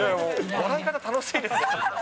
笑い方、楽しいですね。